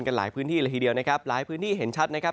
กันหลายพื้นที่เลยทีเดียวนะครับหลายพื้นที่เห็นชัดนะครับ